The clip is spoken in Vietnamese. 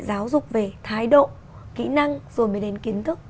giáo dục về thái độ kỹ năng rồi mới đến kiến thức